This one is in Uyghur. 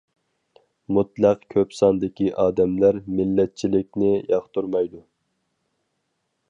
مۇتلەق كۆپ ساندىكى ئادەملەر مىللەتچىلىكىنى ياقتۇرمايدۇ.